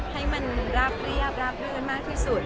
ให้มันราบเรียบราบรื่นมากที่สุด